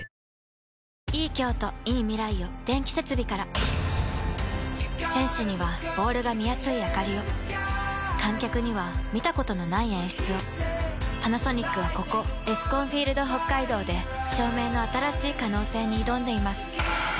ペイトク選手にはボールが見やすいあかりを観客には見たことのない演出をパナソニックはここエスコンフィールドＨＯＫＫＡＩＤＯで照明の新しい可能性に挑んでいます